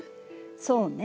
そうね。